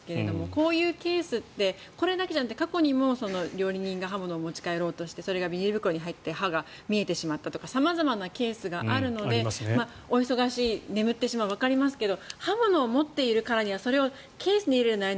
こういうケースってこれだけじゃなくて、過去にも料理人が刃物を持ち帰ろうとしてそれがビニール袋に入って刃が見えてしまったとか様々なケースがあるのでお忙しい、眠ってしまうわかりますが刃物を持っているからにはそれをケースに入れるなり